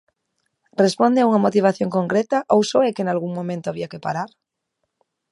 Responde a unha motivación concreta ou só é que nalgún momento había que parar?